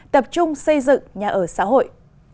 tập trung xây dựng nhà ở xã hội